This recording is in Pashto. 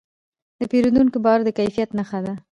د پیرودونکي باور د کیفیت نښه ده.